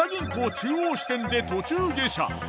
中央支店で途中下車。